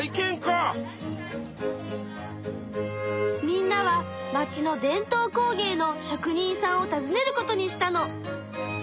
みんなは町の伝統工芸の職人さんをたずねることにしたの。